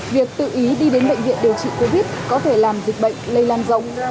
việc tự ý đi đến bệnh viện điều trị covid có thể làm dịch bệnh lây lan rộng